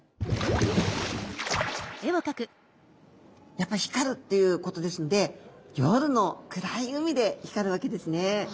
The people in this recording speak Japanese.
やっぱ光るっていうことですので夜の暗い海で光るわけですね。